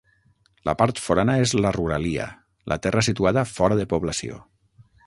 La Part Forana és la ruralia, la terra situada fora de població.